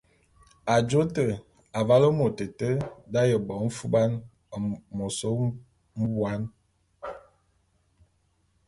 Ajô te, avale môt éte d’aye bo mfuban môs mwuam.